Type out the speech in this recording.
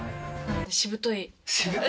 しぶとい。